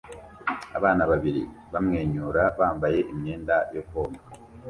Abana babiri bamwenyura bambaye imyenda yo koga